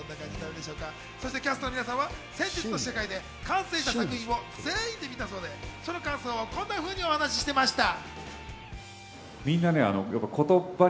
キャストの皆さんは先日の試写会で完成した作品を全員で見たそうで、その感想をこんなふうにお話していました。